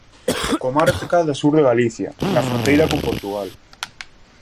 Comarca do sur de Galicia, na fronteira con Portugal.